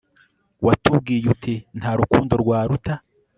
watubwiye uti, nta rukundo rwaruta